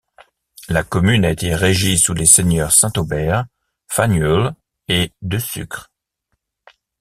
La commune a été régie sous les seigneurs Saint-Aubert, Fagnœulles, et De Sucre.